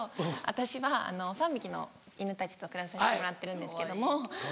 私は３匹の犬たちと暮らさせてもらってるんですけども。